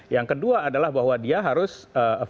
yang kedua adalah bahwa dia harus